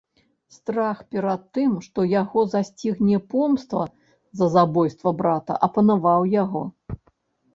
Страх перад тым, што яго засцігне помста за забойства брата, апанаваў яго.